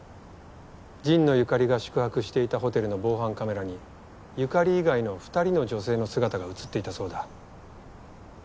神野由香里が宿泊していたホテルの防犯カメラに由香里以外の２人の女性の姿が映っていたそうだ。